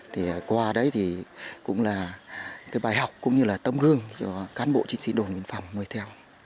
thì qua đấy thì cũng là cái bài học cũng như là tấm gương cho cán bộ chính sĩ đồn viện phòng ngồi theo